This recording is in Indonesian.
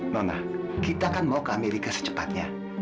mama kita kan mau ke amerika secepatnya